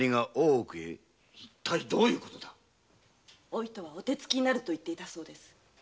お糸はお手つきになると言っていたそうです。